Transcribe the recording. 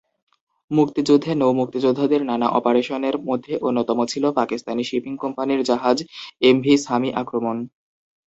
মুক্তিযুদ্ধে নৌ-মুক্তিযোদ্ধাদের নানা অপারেশনের মধ্যে অন্যতম ছিলো পাকিস্তানি শিপিং কোম্পানির জাহাজ ‘এমভি সামি’ আক্রমণ।